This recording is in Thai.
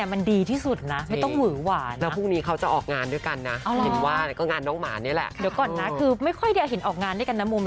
เมื่อวานั้นคุณน่ะสัมภาษณ์น้องหมาอยู่